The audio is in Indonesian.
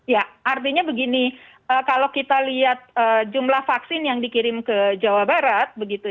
ya artinya begini kalau kita lihat jumlah vaksin yang dikirim ke jawa barat